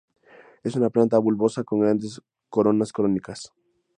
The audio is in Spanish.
Es una planta bulbosa con grandes coronas cónicas.